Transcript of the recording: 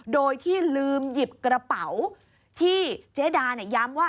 โดยที่ลืมหยิบกระเป๋าที่เจ๊ดาย้ำว่า